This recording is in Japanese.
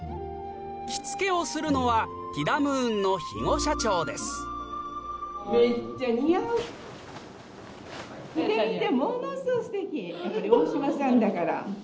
着付けをするのはティダムーンの肥後社長ですでは着てきました。